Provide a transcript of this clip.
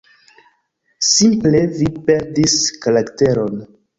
Simple vi perdis karakteron.“